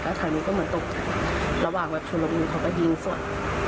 แล้วทางนู้นก็เหมือนตกระหว่างแบบชุมรบินเขาก็ยิงส่วน